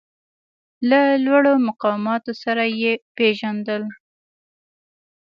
له لوړو مقاماتو سره یې پېژندل.